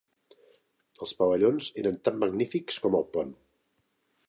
Els pavellons eren tan magnífics com el pont.